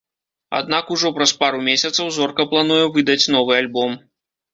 Аднак ужо праз пару месяцаў зорка плануе выдаць новы альбом.